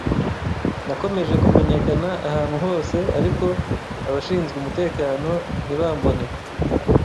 nakomeje kumenyekana ahantu hose ariko abashinzwe umutekano ntibambone